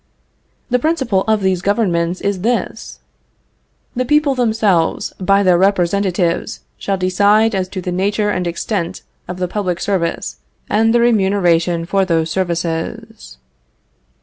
The principle of these governments is this: "The people themselves, by their representatives, shall decide as to the nature and extent of the public service and the remuneration for those services."